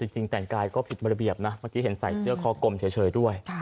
จริงแต่งกายก็ผิดระเบียบนะเมื่อกี้เห็นใส่เสื้อคอกลมเฉยด้วย